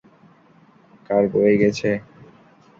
কার বয়ে গেছে?